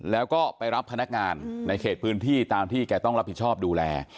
แล้วก็ไปรับพนักงานในเขตพื้นที่ตามที่แกต้องรับผิดชอบดูแล